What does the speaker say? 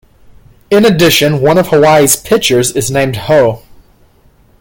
In addition, one of Hawaii's pitchers is named Ho.